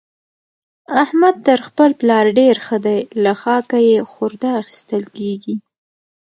احمد تر خپل پلار ډېر ښه دی؛ له خاکه يې خورده اخېستل کېږي.